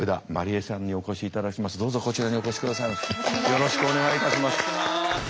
よろしくお願いします。